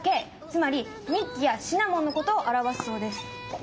つまりニッキやシナモンのことを表すそうです。